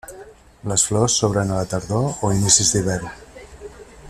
Les flors s'obren a la tardor o inicis d'hivern.